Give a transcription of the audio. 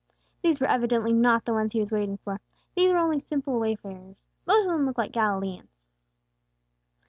These were evidently not the ones he was waiting for. These were only simple wayfarers; most of them looked like Galileans.